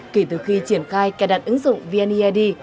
kể từ khi triển khai kẻ đặt ứng dụng vned